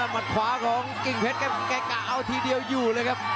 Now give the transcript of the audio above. มัดขวาของกิ่งเพชรครับแกกะเอาทีเดียวอยู่เลยครับ